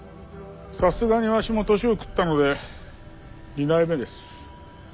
さすがにわしも年を食ったので二代目です。